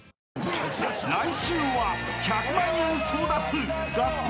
［来週は１００万円争奪学校